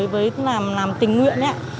với làm tình nguyện